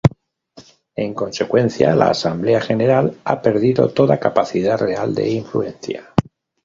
En consecuencia, la Asamblea General ha perdido toda capacidad real de influencia.